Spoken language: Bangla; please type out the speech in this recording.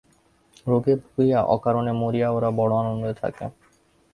রোগে ভুগিয়া অকারণে মরিয়া ওরা বড় আনন্দে থাকে।